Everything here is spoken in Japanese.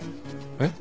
えっ？